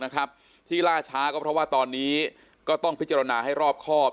ที่ล่าช้าก็เพราะว่าตอนนี้ก็ต้องพิจารณาให้รอบครอบ